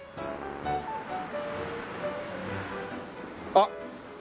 あっ